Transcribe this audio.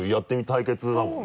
対決だもんね。